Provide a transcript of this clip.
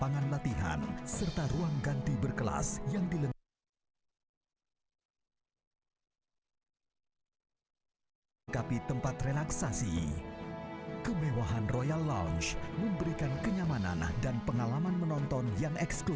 kau sebagai diriku jiwamu namun kau jangan menulai nulai cintaku